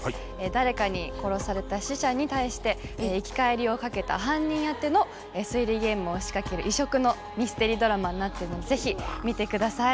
誰かに殺された死者に対して生き返りを懸けた犯人当ての推理ゲームを仕掛ける異色のミステリードラマになってるので是非見て下さい。